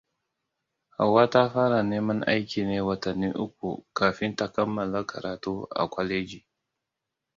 Hauwa ta fara neman aiki ne watanni uku kafin ta kammala karatu a kwaleji.